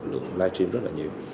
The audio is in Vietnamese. lượng live stream rất là nhiều